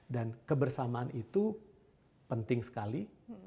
dan kebersamaan itu penting sekali